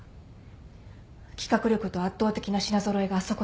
企画力と圧倒的な品揃えがあそこの売りだから。